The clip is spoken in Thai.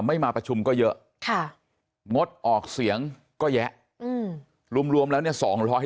ไม่มาประชุมก็เยอะค่ะงดออกเสียงก็แยะอืมรวมรวมแล้วเนี่ยสองร้อยได้